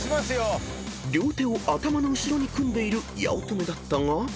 ［両手を頭の後ろに組んでいる八乙女だったが］